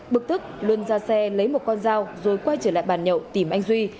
bực tức luân ra xe lấy một con dao rồi quay trở lại bàn nhậu tìm anh duy